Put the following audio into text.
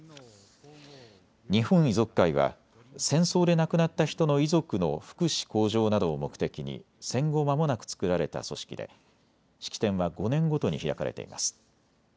日本遺族会は戦争で亡くなった人の遺族の福祉向上などを目的に戦後まもなく作られた組織で式典は５年ごとに開かれています。